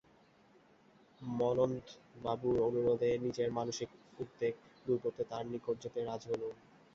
মন্মথবাবুর অনুরোধেও নিজের মানসিক উদ্বেগ দূর করতে তার নিকট যেতে রাজী হলুম।